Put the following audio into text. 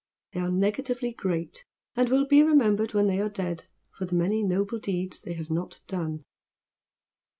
They are negatively great, and will be remembered when they are dead for the many noble deeds they have not done.